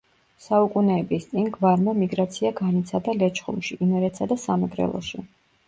საუკუნეების წინ, გვარმა მიგრაცია განიცადა ლეჩხუმში, იმერეთსა და სამეგრელოში.